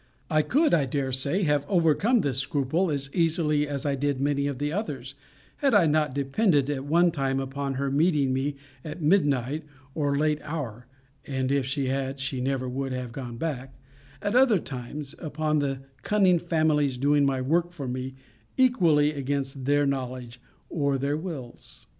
I could, I dare say, have overcome this scruple, as easily as I did many of the others, had I not depended at one time upon her meeting me at midnight or late hour [and, if she had, she never would have gone back]; at other times, upon the cunning family's doing my work for me, equally against their knowledge or their wills.